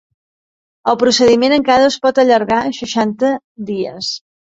El procediment encara es pot allargar seixanta dies.